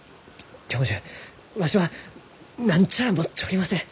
教授わしは何ちゃあ持っちょりません。